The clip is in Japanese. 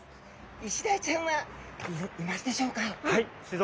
イシダイちゃんはいますでしょうか？